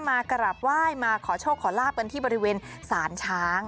มากราบไหว้มาขอโชคขอลาบกันที่บริเวณศาลช้าง